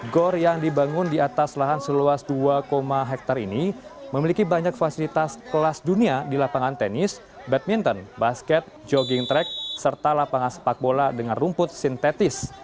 gor yang dibangun di atas lahan seluas dua hektare ini memiliki banyak fasilitas kelas dunia di lapangan tenis badminton basket jogging track serta lapangan sepak bola dengan rumput sintetis